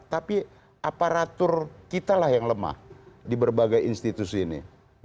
tapi aparatur kitalah yang lemah di berbagai institusi ini